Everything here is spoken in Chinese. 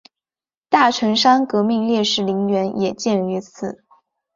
大城山革命烈士陵园也建于此。